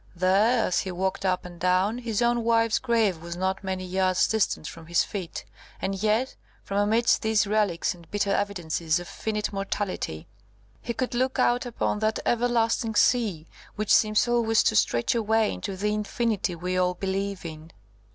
There, as he walked up and down, his own wife's grave was not many yards distant from his feet; and yet, from amidst these relics and bitter evidences of finite mortality, he could look out upon that everlasting sea, which seems always to stretch away into the infinity we all believe in.